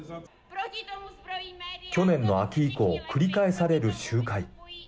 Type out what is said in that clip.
去年の秋以降繰り返される集会。